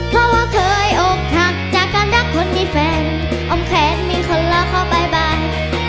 เพราะว่าเคยโอบถักจากการรักคนที่แฟนอมแขนมีคนรักเขาบ่ายบ่าย